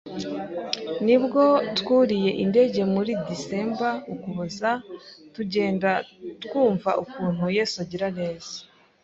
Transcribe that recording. Nibwo twuriye indege muri December (ukuboza) tugenda twumva ukuntu Yesu agira neza.